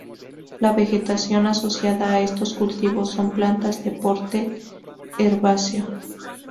La vegetación asociada a estos cultivos son plantas de porte herbáceo.